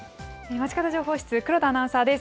まちかど情報室、黒田アナウンサーです。